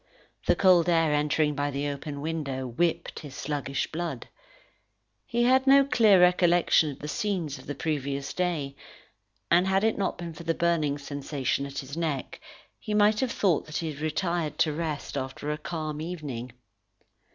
The cold air entering by the open window, whipped his sluggish blood. He had no clear recollection of the scenes of the previous day, and had it not been for the burning sensation at his neck, he might have thought that he had retired to rest after a calm evening.